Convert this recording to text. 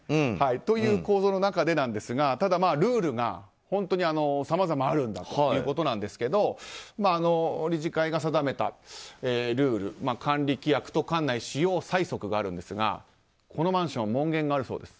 こういう構造の中でなんですがただ、ルールがさまざまあるんだということですが理事会が定めたルール管理規約と館内使用細則があるんですがこのマンション門限があるそうです。